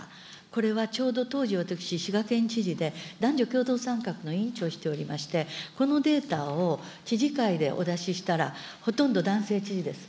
これはちょうど当時、私、滋賀県知事で、男女共同参画の委員長をしておりまして、このデータを、知事会でお出ししたら、ほとんど男性知事です。